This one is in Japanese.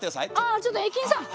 あちょっと駅員さん！